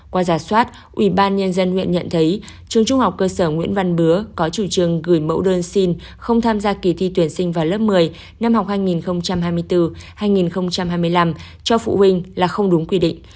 qua giả soát ủy ban nhân dân huyện nhận thấy trường trung học cơ sở nguyễn văn bứa có chủ trương gửi mẫu đơn xin không tham gia kỳ thi tuyển sinh vào lớp một mươi năm học hai nghìn hai mươi bốn hai nghìn hai mươi năm cho phụ huynh là không đúng quy định